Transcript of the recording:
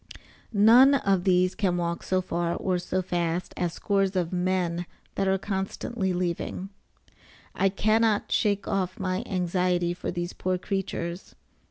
None of these can walk so far or so fast as scores of men that are constantly leaving. I cannot shake off my anxiety for these poor creatures.